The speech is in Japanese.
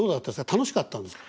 楽しかったんですか？